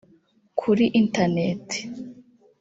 kuri internet